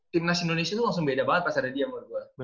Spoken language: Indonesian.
timnas indonesia itu langsung beda banget pas ada dia menurut gue